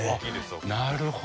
なるほど。